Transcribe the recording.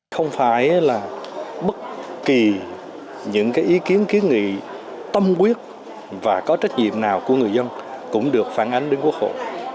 không phải là bất kỳ những ý kiến kiến nghị tâm quyết và có trách nhiệm nào của người dân cũng được phản ánh đến quốc hội